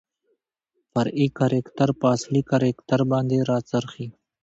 فرعي کرکتر په اصلي کرکتر باندې راڅرخي .